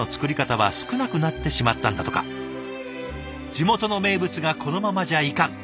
「地元の名物がこのままじゃいかん！」。